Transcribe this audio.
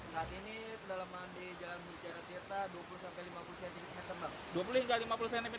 saat ini dalam mandi jalan bucara tieta dua puluh lima puluh cm tersebut yang terkembang